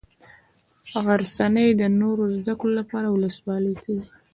غرڅنۍ د نورو زده کړو لپاره ولسوالي ته ځي.